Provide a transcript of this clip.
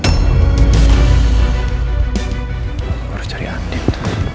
harus cari anin